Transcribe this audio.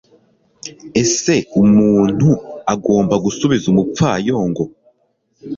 ese umuntu agomba gusubiza umupfayongo